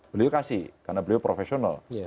beliau kasih karena beliau profesional